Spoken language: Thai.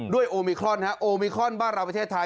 โอมิครอนฮะโอมิครอนบ้านเราประเทศไทย